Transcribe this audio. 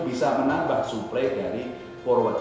bisa menambah suplai dari forward